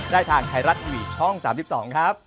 ได้ทางไทรัตวิชช่อง๓๒ครับ